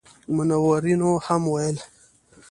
منورینو هم ویل.